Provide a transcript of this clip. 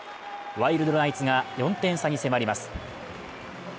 ワイルドナイツが４点差に迫ります。